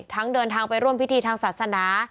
เดินทางไปร่วมพิธีทางศาสนา